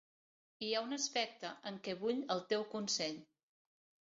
Hi ha un aspecte en què vull el teu consell.